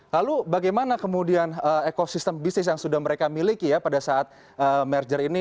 lalu bagaimana kemudian ekosistem bisnis yang sudah mereka miliki ya pada saat merger ini